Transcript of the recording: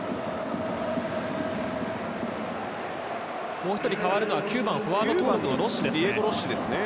もう１人代わるのはフォワード登録のロッシですね。